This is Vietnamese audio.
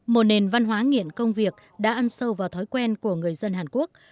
một nền văn hóa nghiện công việc đã ăn sâu vào thói quen của người dân hàn quốc